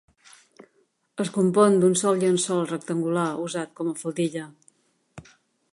Es compon d'un sol llençol rectangular usat com a faldilla.